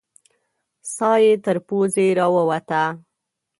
ساه یې تر پزې راووته.